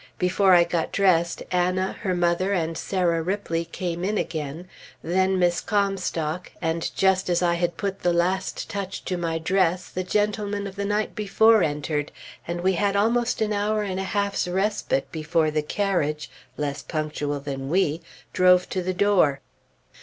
Before I got dressed, Anna, her mother, and Sarah Ripley came in again; then Miss Comstock; and just as I had put the last touch to my dress, the gentlemen of the night before entered, and we had almost an hour and a half's respite before the carriage, less punctual than we, drove to the door.